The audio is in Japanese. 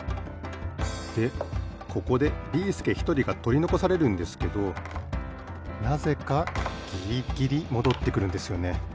でここでビーすけひとりがとりのこされるんですけどなぜかギリギリもどってくるんですよね。